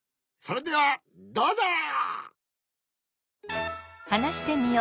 それではどうぞ！